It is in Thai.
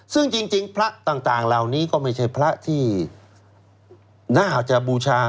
ซึ่งจริงพระต่างเหล่านี้ก็ไม่ใช่พระที่น่าจะบูชา